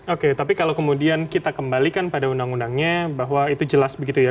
oke tapi kalau kemudian kita kembalikan pada undang undangnya bahwa itu jelas begitu ya